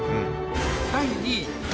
第２位。